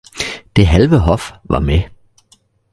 Det halve hof var med